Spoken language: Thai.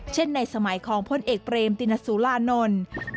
ในสมัยของพลเอกเปรมตินสุรานนท์